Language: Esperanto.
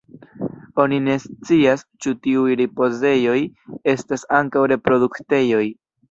Oni ne scias ĉu tiuj ripozejoj estas ankaŭ reproduktejoj.